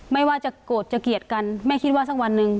ไม่ว่าจะโกรธจะเกลียดกันแม่คิดว่าสักวันหนึ่ง